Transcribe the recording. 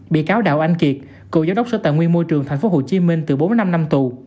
bị cáo đào anh kiệt cựu giám đốc sở tài nguyên môi trường tp hcm từ bốn mươi năm năm tù